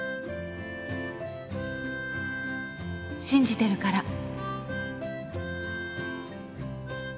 信じてるから